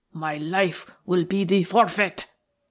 My life will be the forfeit."